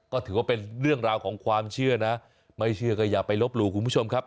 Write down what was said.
ก็ถือว่าเป็นเรื่องราวของความเชื่อนะไม่เชื่อก็อย่าไปลบหลู่คุณผู้ชมครับ